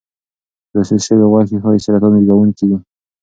پروسس شوې غوښې ښایي سرطان زېږونکي وي.